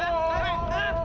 murah aja tuh